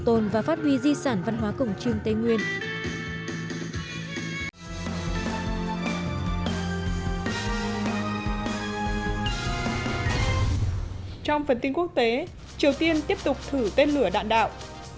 trong phần tin quốc tế triều tiên tiếp tục thử tên lửa đạn đạo